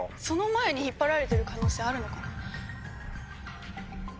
その前に引っ張られてる可能性あるのかな。